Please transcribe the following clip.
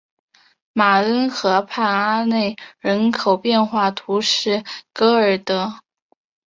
马恩河畔阿内人口变化图示戈尔德